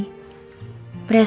beres beres ya kan